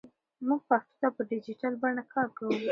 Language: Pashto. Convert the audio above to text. موږ پښتو ته په ډیجیټل بڼه کار کوو.